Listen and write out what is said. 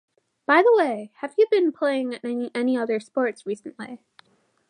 By the way, have you been playing any other sports recently?